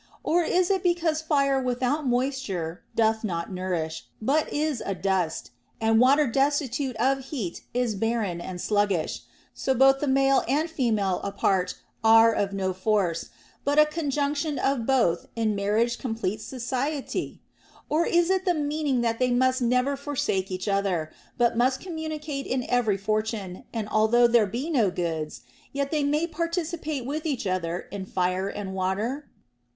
Or is it because fire without moisture doth not nourish, but is adust, and water destitute of heat is barren and sluggish ; so both the male and female apart are of no force, but a conjunction of both in marriage completes society \ Oi ls the meaning that they must never forsake each other, but must communicate in every fortune, and although there be no goods, yet they may participate with each other in fire and water